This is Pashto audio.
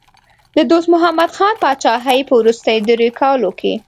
د دوست محمد خان پاچاهۍ په وروستیو دریو کالو کې.